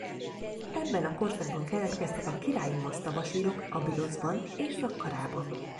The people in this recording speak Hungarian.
Ebben a korszakban keletkeztek a királyi masztabasírok Abüdoszban és Szakkarában.